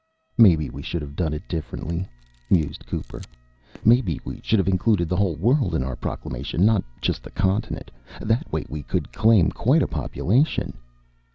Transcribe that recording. "Maybe we should have done it differently," mused Cooper. "Maybe we should have included the whole world in our proclamation, not just the continent. That way, we could claim quite a population."